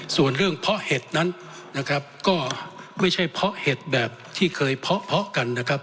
ส่วนเรื่องเพาะเห็ดนั้นนะครับก็ไม่ใช่เพราะเห็ดแบบที่เคยเพาะกันนะครับ